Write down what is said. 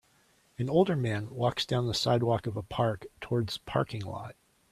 An older man walks down the sidewalk of a park towards parking lot.